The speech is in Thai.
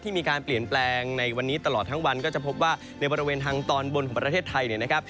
มีการเปลี่ยนแปลงในวันนี้ตลอดทั้งวันก็จะพบว่าในบริเวณทางตอนบนของประเทศไทยเนี่ยนะครับ